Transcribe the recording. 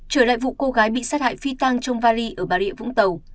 trở lại vụ cô gái bị sát hại phi tăng trong vali ở bà rịa vũng tàu